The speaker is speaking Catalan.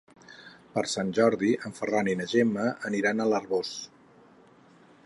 Per Sant Jordi en Ferran i na Gemma aniran a l'Arboç.